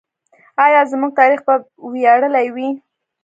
آیا زموږ تاریخ به ویاړلی وي؟